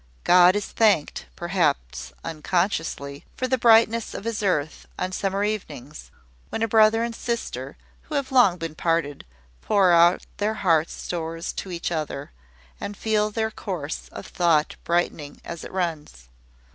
God is thanked (perhaps unconsciously) for the brightness of his earth, on summer evenings, when a brother and sister, who have long been parted, pour out their heart stores to each other, and feel their course of thought brightening as it runs.